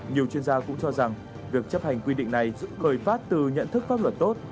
nhiều chuyên gia cũng cho rằng việc chấp hành quy định này khởi phát từ nhận thức pháp luật tốt